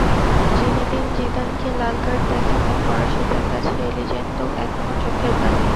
Zinedine জিদানকে লাল card দেখানোয় ফরাসিদের কাছে এলিজেন্দো এখনো চোখের বালি।